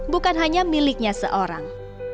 bukan hanya miliknya seorang